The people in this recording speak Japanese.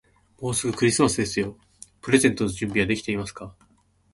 もうすぐクリスマスですよ。プレゼントの準備はできていますか。